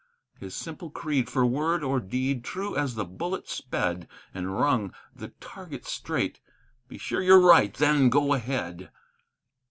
His simple creed for word or deed true as the bullet sped, And rung the target straight: "Be sure you're right, then go ahead!"